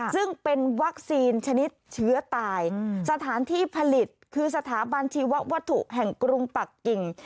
ซึ่งเป็นวัคซีนชนิดเชื้อตายสถานที่ผลิตคือสถาบันชีวัตถุแห่งกรุงปักกิ่ง